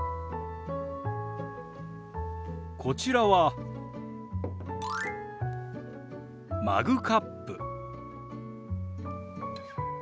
こちらはマグカップ。